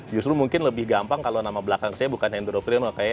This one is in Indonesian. justru mungkin lebih gampang kalau nama belakang saya bukan hendro priyono